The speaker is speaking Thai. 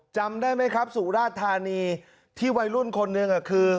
จำได้ไหมครับสุราธานีที่วัยรุ่นคนหนึ่งคือ